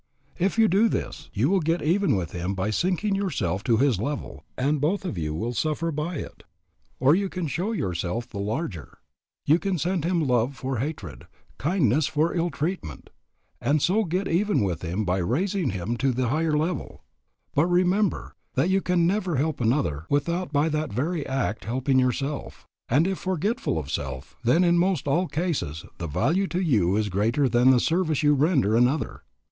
If you do this you will get even with him by sinking yourself to his level, and both of you will suffer by it. Or, you can show yourself the larger, you can send him love for hatred, kindness for ill treatment, and so get even with him by raising him to the higher level. But remember that you can never help another without by that very act helping yourself; and if forgetful of self, then in most all cases the value to you is greater than the service you render another.